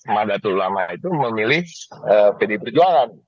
nada terulama itu memilih pd perjuangan